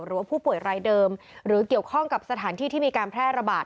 หรือว่าผู้ป่วยรายเดิมหรือเกี่ยวข้องกับสถานที่ที่มีการแพร่ระบาด